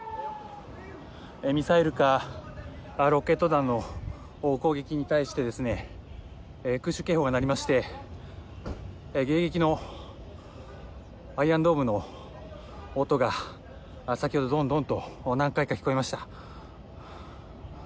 ミサイルかロケット弾の攻撃に対して空襲警報が鳴りまして迎撃のアイアンドームの音が先ほどドンドンと何回か聞こえました。